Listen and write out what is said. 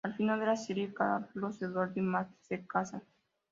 Al final de la serie Carlos Eduardo y Mary se casan.